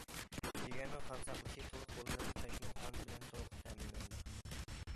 جىگەرنىڭ قان ساقلىشى تولۇق بولسا، چاچمۇ قان بىلەن تولۇق تەمىنلىنىدۇ.